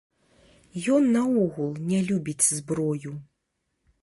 Ён наогул не любіць зброю.